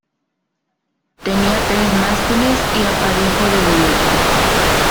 Tenía tres mástiles y aparejo de goleta.